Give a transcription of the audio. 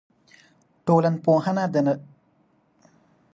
ټولنپوهنه د رسنیو اغېزې هم څېړي.